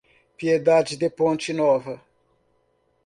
Piedade de Ponte Nova